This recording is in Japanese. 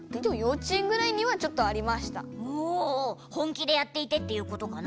本気でやっていてっていうことかな？